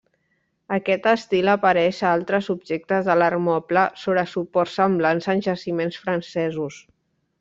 Aquest estil apareix a altres objectes de l'art moble sobre suports semblants en jaciments francesos.